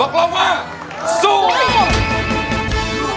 สู้สู้สู้